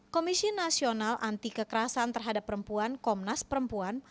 komisi nasional anti kekerasan terhadap perempuan komnas perempuan